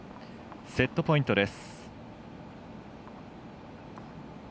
セットポイントです。